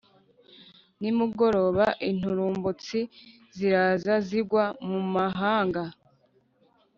Nimugoroba inturumbutsi ziraza zigwa mumamahanga